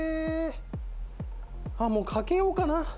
あっもうかけようかな。